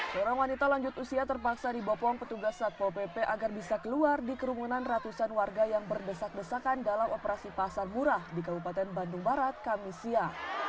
seorang wanita lanjut usia terpaksa dibopong petugas satpol pp agar bisa keluar di kerumunan ratusan warga yang berdesak desakan dalam operasi pasar murah di kabupaten bandung barat kamisia